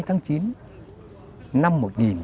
để điều trị bệnh